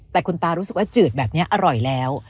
แต่คุณตารู้สึกว่าจืดแบบนี้อร่อยแล้ว